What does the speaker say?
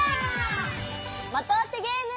まとあてゲーム！